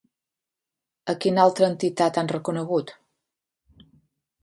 A quina altra entitat han reconegut?